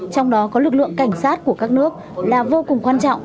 trong đó có lực lượng cảnh sát của các nước là vô cùng quan trọng